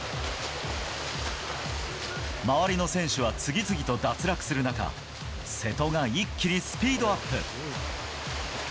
周りの選手は次々と脱落する中、瀬戸が一気にスピードアップ。